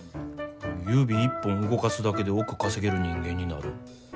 指一本動かすだけで億稼げる人間になる。